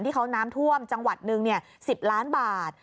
ที่เขาน้ำท่วมจังหวัดหนึ่ง๑๐ล้านบาท